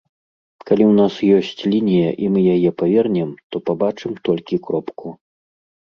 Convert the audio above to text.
Калі ў нас ёсць лінія і мы яе павернем, то пабачым толькі кропку.